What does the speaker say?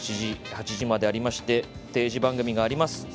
８時までありまして定時番組があります。